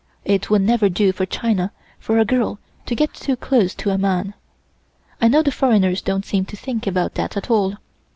It would never do for China for a girl to get too close to a man. I know the foreigners don't seem to think about that at all.